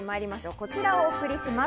こちらをお送りします。